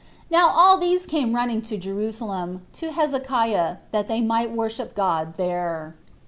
Now all these came running to Jerusalem, to Hezekiah, that they might worship God [there].